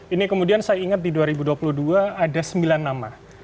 ini kemudian saya ingat di dua ribu dua puluh dua ada sembilan nama